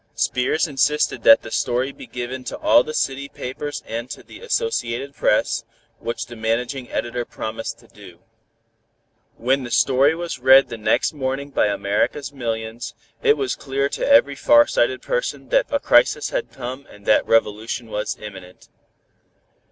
Spears insisted that the story be given to all the city papers and to the Associated Press, which the Managing Editor promised to do. When the story was read the next morning by America's millions, it was clear to every far sighted person that a crisis had come and that revolution was imminent.